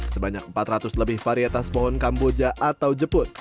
sebanyak empat ratus lebih varietas pohon kamboja atau jeput